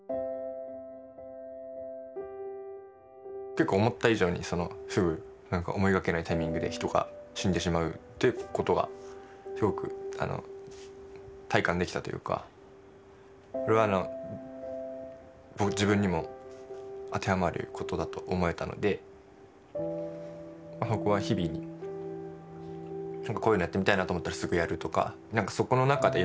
結構思った以上にすぐ思いがけないタイミングで人が死んでしまうっていうことがすごく体感できたというかそれはあの自分にも当てはまることだと思えたのでそこは日々なんかこういうのやってみたいなと思ったらすぐやるとかなんかそこの中でいろんな選択をしてるつもりです。